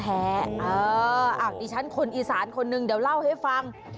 อยู่แท้อักดิฉันคนอีสานคนนึงเดี๋ยวเล่าให้ฟัง